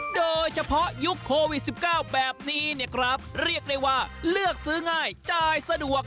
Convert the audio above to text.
โดยเฉพาะยุคโควิด๑๙แบบนี้เนี่ยครับเรียกได้ว่าเลือกซื้อง่ายจ่ายสะดวก